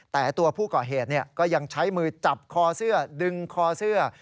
แต่ตัวผู้ก่อเหตุก็ยังใช้มือจับคอเสื้อดึงคอเสื้อ